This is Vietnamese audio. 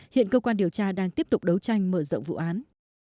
hiện cơ quan điều tra đang tiếp tục đấu tranh mở rộng vụ án